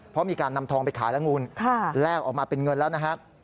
เพราะมีการนำทองไปขายแล้วคุณแลกออกมาเป็นเงินแล้วนะครับ